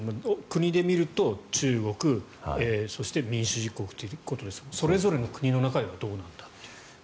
国で見ると中国、そして民主主義国ということですかそれぞれの国の中ではどうなんだという。